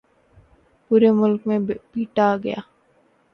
پورے ملک میں پیٹا گیا۔